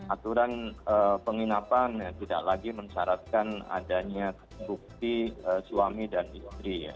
aturan penginapan tidak lagi mensyaratkan adanya bukti suami dan istri ya